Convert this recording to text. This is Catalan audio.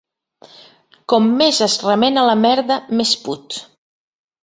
Com més es remena la merda més put.